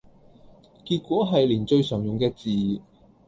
結果係連最常用嘅字